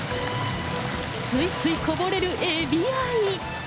ついついこぼれるエビ愛。